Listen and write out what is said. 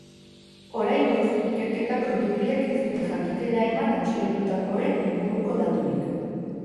Oraingoz, ikerketako iturriek ez dute jakitera eman atxilotutakoen inguruko daturik.